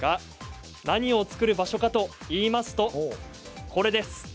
何を作る場所かといいますとこちらです。